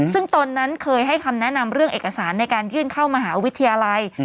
ซึ่งตนนั้นเคยให้คำแนะนำเรื่องเอกสารในการยื่นเข้ามหาวิทยาลัย